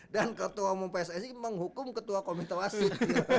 dan ketua umum pssi menghukum ketua komite wasit